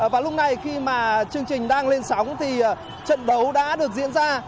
và lúc này khi mà chương trình đang lên sóng thì trận đấu đã được diễn ra